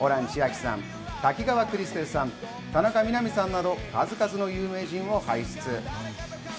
ホラン千秋さん、滝川クリステルさん、田中みな実さんなど、数々の有名人を輩出。